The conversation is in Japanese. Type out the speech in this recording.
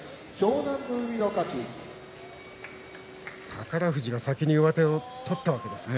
宝富士が先に上手を取ったわけですね。